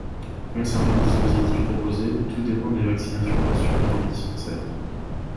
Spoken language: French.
Concernant le dispositif proposé, tout dépend des vaccinations assurées dans les dispensaires.